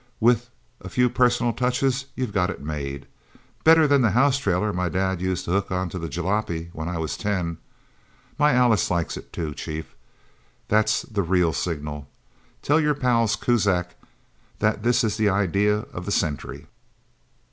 With a few personal touches, you've got it made. Better than the house trailer my dad used to hook onto the jalopy when I was ten... My Alice likes it, too, Chief that's the real signal! Tell your pals Kuzak that this is the Idea of the Century."